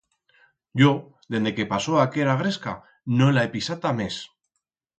Yo dende que pasó aquera gresca no la he pisata mes